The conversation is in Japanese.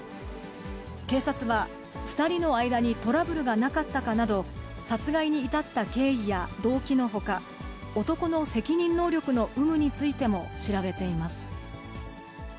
警察は、２人の間にトラブルがなかったかなど、殺害に至った経緯や動機のほか、男の責任能力の有無についても調べています。